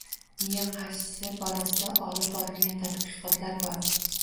Miya qarishi borasida olib borilgan tadqiqotlar bor.